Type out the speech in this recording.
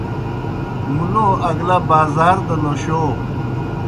مُلو اگلہ بازار دہ نوشَو۔